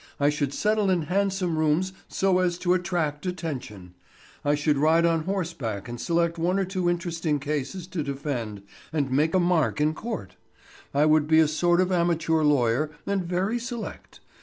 I should settle in handsome rooms so as to attract attention; I should ride on horseback and select one or two interesting cases to defend and make a mark in court. I would be a sort of amateur lawyer, and very select.